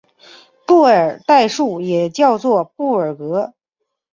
布尔代数也叫做布尔格。